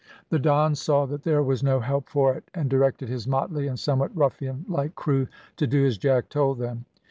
The Don saw that there was no help for it, and directed his motley and somewhat ruffian like crew to do as Jack told them.